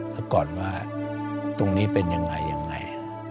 ถ้าก่อนว่าตรงนี้เป็นยังไงยังไง